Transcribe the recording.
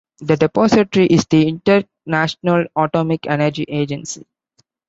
The depository is the International Atomic Energy Agency.